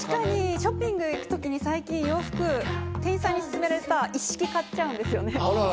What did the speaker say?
ショッピング行く時に最近、店員さんにすすめられた洋服を一式買っちゃうんです。